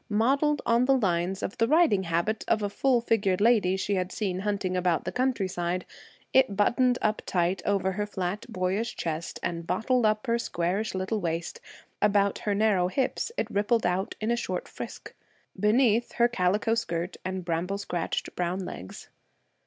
Modeled on the lines of the riding habit of a full figured lady she had seen hunting about the country side, it buttoned up tight over her flat, boyish chest and bottled up her squarish little waist. About her narrow hips, it rippled out in a short 'frisk.' Beneath, her calico skirt, and bramble scratched brown legs.